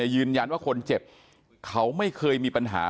ยืนยันว่าคนเจ็บเขาไม่เคยมีปัญหา